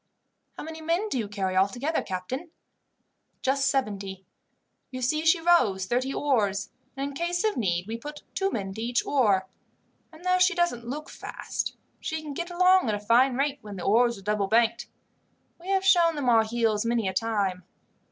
"How many men do you carry altogether, captain?" "Just seventy. You see she rows thirty oars, and in case of need we put two men to each oar, and though she doesn't look fast she can get along at a fine rate when the oars are double banked. We have shown them our heels many a time.